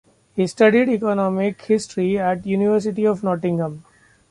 He studied Economic History at the University of Nottingham.